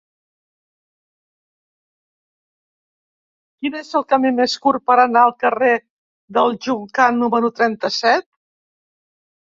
Quin és el camí més curt per anar al carrer del Joncar número trenta-set?